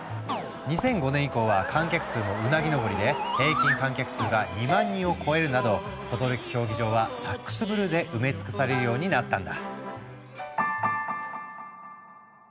２００５年以降は観客数もうなぎ上りで平均観客数が２万人を超えるなど等々力競技場はサックスブルーで埋め尽くされるようになったんだ。